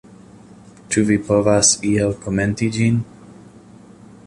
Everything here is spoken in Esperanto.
Ĉu vi povas iel komenti ĝin?